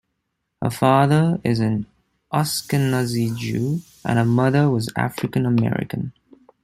Her father is an Ashkenazi Jew, and her mother was African-American.